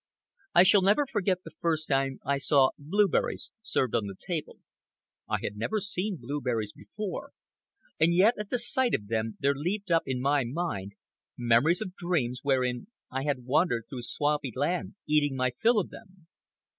I shall never forget the first time I saw blueberries served on the table. I had never seen blueberries before, and yet, at the sight of them, there leaped up in my mind memories of dreams wherein I had wandered through swampy land eating my fill of them.